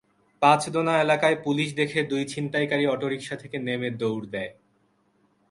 পাঁচদোনা এলাকায় পুলিশ দেখে দুই ছিনতাইকারী অটোরিকশা থেকে নেমে দৌড় দেয়।